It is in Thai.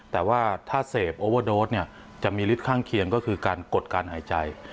แต่ว่าถ้าเสพโอเวอร์โดสเนี่ยจะมีฤทธิข้างเคียงก็คือการกดการหายใจ